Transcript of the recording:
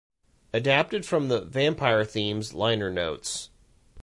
Adapted from the "Vampire Themes" liner notes.